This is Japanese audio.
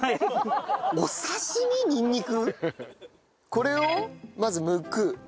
これをまずむく。